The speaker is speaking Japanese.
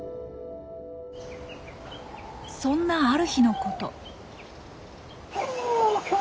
そんなある日のこと。